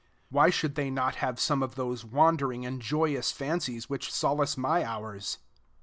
Why should they not have some of those wandering and joyous fancies which solace my hours?"